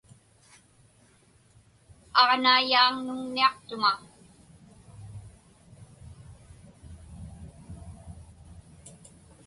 Aġnaiyaaŋnugniaqtuŋa.